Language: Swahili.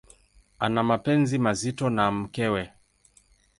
Ana mapenzi mazito na mkewe.